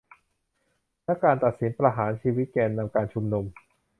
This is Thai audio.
และการตัดสินประหารชีวิตแกนนำการชุมนุม